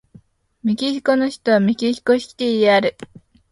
メキシコの首都はメキシコシティである